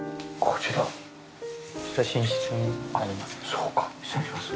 こちら寝室になります。